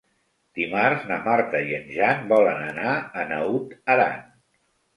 Dimarts na Marta i en Jan volen anar a Naut Aran.